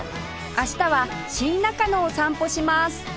明日は新中野を散歩します